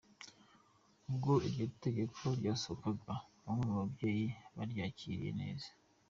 Ubwo iryo tegeko ryasohokaga, bamwe mu babyeyi baryakiriye neza